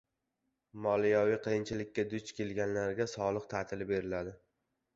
Moliyaviy qiyinchilikga duch kelganlarga soliq ta`tili beriladi